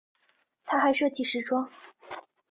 她还设计时装。